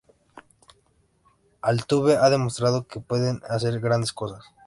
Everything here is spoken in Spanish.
Altuve ha demostrado que puede hacer grandes cosas.